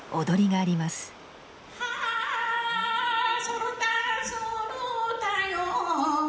ハァーそろたそろたよ